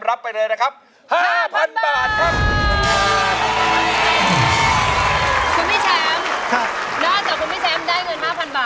ร้องเข้าให้เร็ว